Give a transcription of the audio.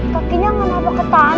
kakinya gak nabak ke tanah